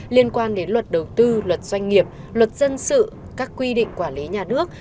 liên quan đến luật đầu tư luật doanh nghiệp luật dân sự các quy định quản lý nhà nước